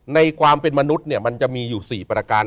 ในความเป็นมนุษย์เนี่ยมันจะมีอยู่๔ประการ